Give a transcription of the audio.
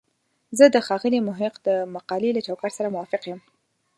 زه د ښاغلي محق د مقالې له چوکاټ سره موافق یم.